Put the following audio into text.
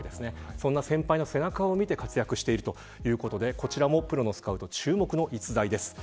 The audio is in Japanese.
そんな先輩の背中を見て活躍しているということでこちらもプロのスカウト注目の逸材です。